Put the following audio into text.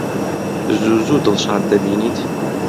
زوو زوو دڵشاد دەبینیت؟